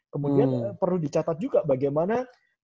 kemudian perlu dicatat juga bagaimana